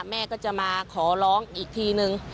แม่ก็จะมาขอร้องอีกทีนึง